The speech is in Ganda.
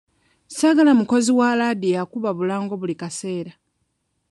Ssaagala mukozi wa laadiyo akuba bulango buli kaseere.